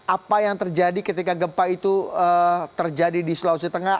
apa yang terjadi ketika gempa itu terjadi di sulawesi tengah